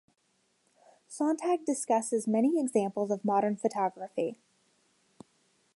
Sontag discusses many examples of modern photography.